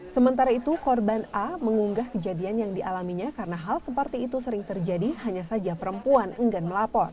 sementara itu korban a mengunggah kejadian yang dialaminya karena hal seperti itu sering terjadi hanya saja perempuan enggan melapor